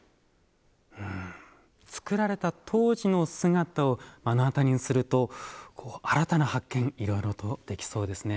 作られた当時の姿を目の当たりにすると新たな発見いろいろとできそうですね。